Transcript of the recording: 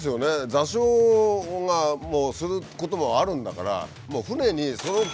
座礁することもあるんだからその場で。